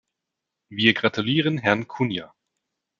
Wir gratulieren Herrn Cunha.